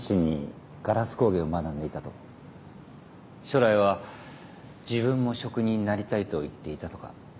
将来は自分も職人になりたいと言っていたとか。